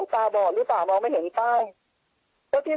ตาบอดหรือเปล่ามองไม่เห็นใช่